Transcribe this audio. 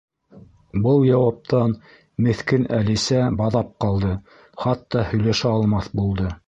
Был яуаптан меҫкен Әлисә баҙап ҡалды, хатта һөйләшә алмаҫ булды.